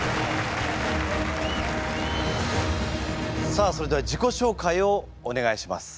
さあそれでは自己紹介をお願いします。